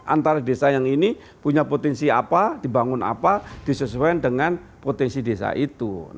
antara desa yang ini punya potensi apa dibangun apa disesuaikan dengan potensi desa itu